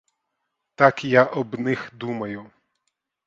Так я об них думаю!